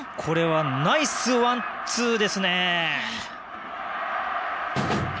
これはナイスワンツーですね！